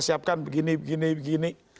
gini begini begini